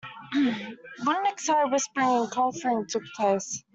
What an excited whispering and conferring took place.